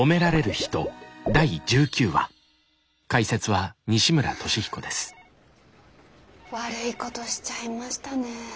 はぁ悪いことしちゃいましたね。